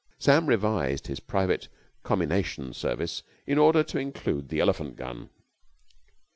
Sam revised his private commination service in order to include the elephant gun.